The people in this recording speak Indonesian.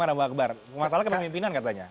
bagaimana bang akbar masalah kemimpinan katanya